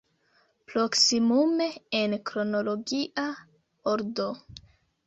Proksimume en kronologia ordo.